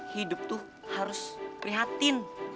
hidup tuh harus prihatin